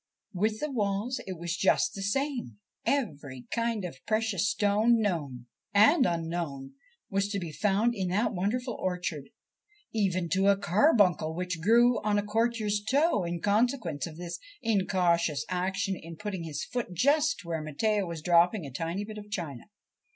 With the walls it was just the same. Every kind of precious stone known and unknown was to be found in that wonderful orchard, even to a carbuncle which grew on a courtier's toe in consequence of his incautious action in putting his foot just where Matteo was dropping a tiny bit of china.